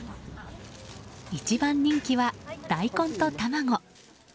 一番人気は大根と卵。